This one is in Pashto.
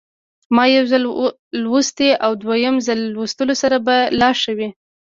ما یو ځل ولوستی او د دویم ځل لوستلو سره به لا ښه وي.